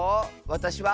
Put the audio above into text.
「わたしは」。